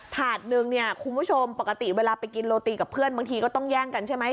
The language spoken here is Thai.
ถาดหนึ่งเนี่ยคุณผู้ชมปกติเวลาไปกินโรตีกับเพื่อนบางทีก็ต้องแย่งกันใช่ไหม